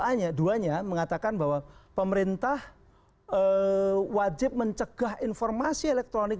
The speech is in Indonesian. ayat dua nya mengatakan bahwa pemerintah wajib mencegah informasi elektronik